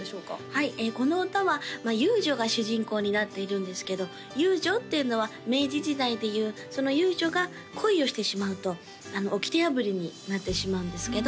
はいこの歌は遊女が主人公になっているんですけど遊女っていうのは明治時代でいうその遊女が恋をしてしまうと掟破りになってしまうんですけど